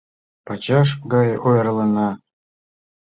Пачаш гае ойырлена.